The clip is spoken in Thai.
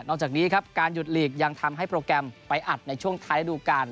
จากนี้ครับการหยุดหลีกยังทำให้โปรแกรมไปอัดในช่วงท้ายระดูการ